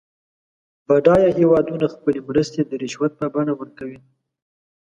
بډایه هېوادونه خپلې مرستې د رشوت په بڼه ورکوي.